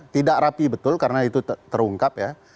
tidak rapi betul karena itu terungkap ya